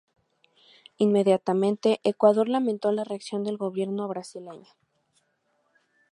Inmediatamente, Ecuador lamentó la reacción del gobierno brasileño.